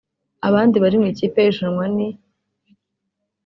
Abandi bari mu ikipe y’irushanwa ni